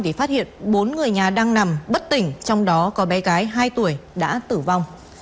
thì phát hiện bốn người nhà đang nằm bất tỉnh trong đó có bé gái hai tuổi đã tử vong